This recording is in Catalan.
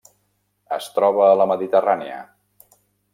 Es troba a la Mediterrània: